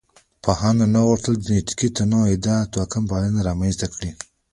پوهانو نه غوښتل د جینټیکي تنوع ادعا توکمپالنه رامنځ ته کړي.